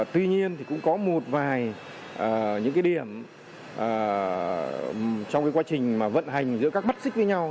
tuy nhiên thì cũng có một vài những cái điểm trong cái quá trình mà vận hành giữa các mắt xích với nhau